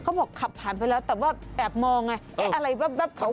เขาบอกขับผ่านไปแล้วแต่แบบมองไงเอ๊ะอะไรแป๊บเขา